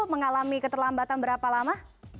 mengalami keterlambatan berapa lama